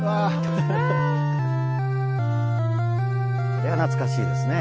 これは懐かしいですね。